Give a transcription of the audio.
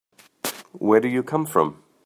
Where do you come from?